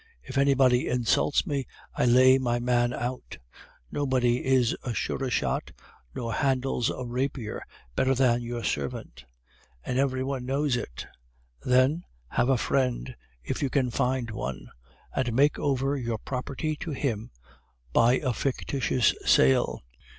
If anybody insults me, I lay my man out; nobody is a surer shot nor handles a rapier better than your servant. And every one knows it. Then, have a friend if you can find one and make over your property to him by a fictitious sale.